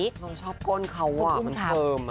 น้องชอบก้นเขาอ่ะมันเพิ่ม